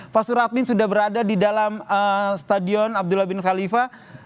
pak suraddin sudah berada di dalam stadion abdullah bin khalifah